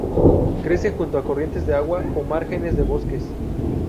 Crece junto a corrientes de agua o márgenes de bosques.